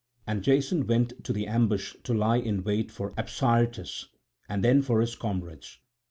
And Jason went to the ambush to lie in wait for Apsyrtus and then for his comrades.